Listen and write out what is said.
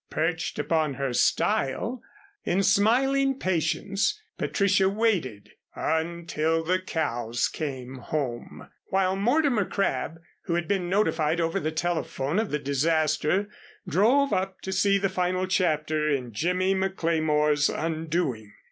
Perched upon her stile, in smiling patience Patricia waited "until the cows came home," while Mortimer Crabb, who had been notified over the telephone of the disaster, drove up to see the final chapter in Jimmy McLemore's undoing.